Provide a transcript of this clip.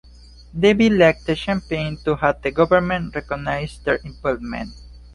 Davis led the campaign to have the government recognize their involvement.